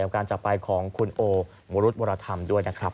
กับการจับไปของคุณโอวรุษมรธรรมด้วย